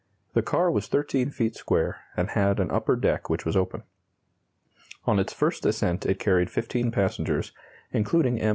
The car was 13 feet square, and had an upper deck which was open. On its first ascent it carried 15 passengers, including M.